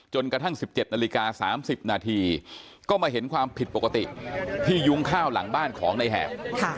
จนกระทั่ง๑๗นาฬิกา๓๐นาทีก็มาเห็นความผิดปกติที่ยุ้งข้าวหลังบ้านของในแหบ